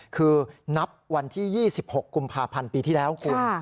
คือนับวันที่๒๖กุมภาพันธ์ปีที่แล้วคุณ